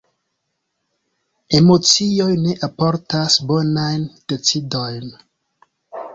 Emocioj ne alportas bonajn decidojn.